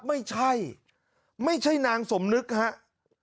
ไม่ใช่ไม่ใช่นางสมนึกครับ